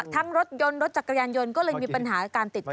รถยนต์รถจักรยานยนต์ก็เลยมีปัญหาการติดตั้ง